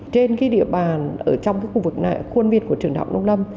trên cái địa bàn ở trong cái khu vực này khuôn việt của trường đạo nông lâm